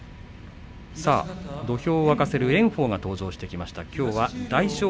土俵を沸かせる炎鵬が登場してきました。